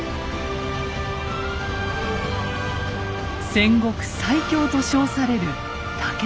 戦国最強と称される武田軍。